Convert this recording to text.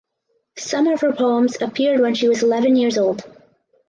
Some of her poems appeared when she was eleven years old.